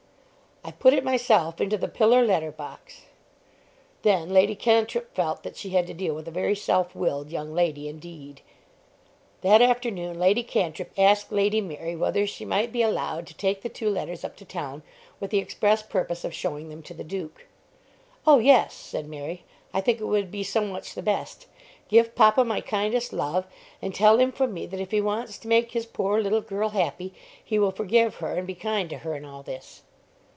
"I put it myself into the pillar letter box." Then Lady Cantrip felt that she had to deal with a very self willed young lady indeed. That afternoon Lady Cantrip asked Lady Mary whether she might be allowed to take the two letters up to town with the express purpose of showing them to the Duke. "Oh yes," said Mary, "I think it would be so much the best. Give papa my kindest love, and tell him from me that if he wants to make his poor little girl happy he will forgive her and be kind to her in all this."